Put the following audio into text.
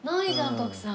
徳さん。